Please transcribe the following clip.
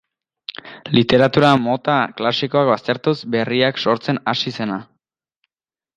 Literatura mota klasikoak baztertuz, berriak sortzen hasi zena.